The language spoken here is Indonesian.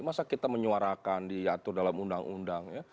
masa kita menyuarakan diatur dalam undang undang ya